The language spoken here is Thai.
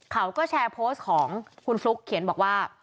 เขาก็แชร์โพสต์ของคุณฟลุ๊กเขียนบอกว่า